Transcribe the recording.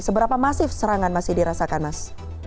seberapa masif serangan masih dirasakan mas